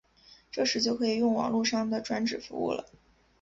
这时就可以用网路上的转址服务了。